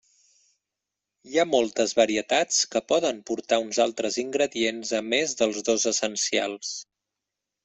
Hi ha moltes varietats que poden portar uns altres ingredients a més dels dos essencials.